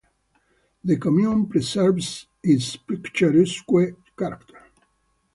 The comune preserves its picturesque character.